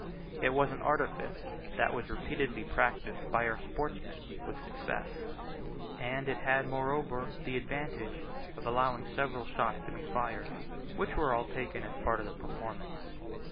It was an artifice that was repeatedly practised by our sportsmen with success, and it had moreover the advantage of allowing several shots to be fired, which were all taken as parts of the performance.